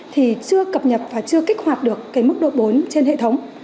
thì chưa cập nhập và chưa kích hoạt được cái mức độ bốn trên hệ thống